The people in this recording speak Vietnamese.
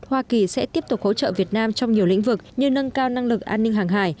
hoa kỳ sẽ tiếp tục hỗ trợ việt nam trong nhiều lĩnh vực như nâng cao năng lực an ninh hàng hải